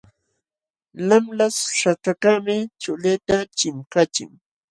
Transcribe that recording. Lamlaśh saćhakaqmi chullita chinkachin.